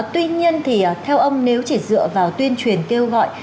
tuy nhiên thì theo ông nếu chỉ dựa vào tuyên truyền kêu gọi